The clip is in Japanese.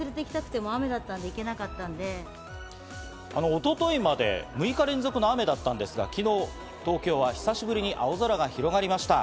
一昨日まで６日連続の雨だったんですが昨日、東京は久しぶりに青空が広がりました。